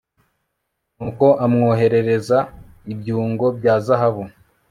nuko amwoherereza ibyungo bya zahabu